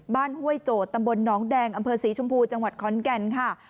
ห้วยโจทย์ตำบลหนองแดงอำเภอศรีชมพูจังหวัดขอนแก่นค่ะ